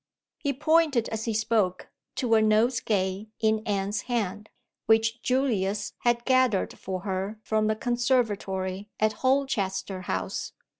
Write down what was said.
He pointed, as he spoke, to a nosegay in Anne's hand, which Julius had gathered for her from the conservatory at Holchester House.